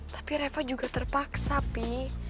tapi reva juga terpaksa pi